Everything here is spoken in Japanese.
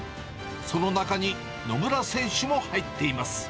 その中に野村選手も入っています。